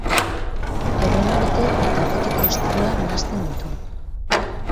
Erromaniko eta gotiko estiloak nahasten ditu.